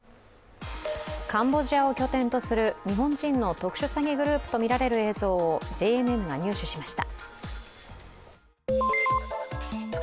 カンボジアを拠点とする日本人の特殊詐欺グループとみられる映像をＪＮＮが入手しました。